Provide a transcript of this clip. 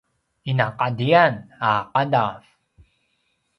inaqatiyan a qadaw